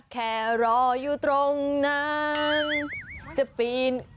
แค่รออยู่ตรงนั้นจะปีน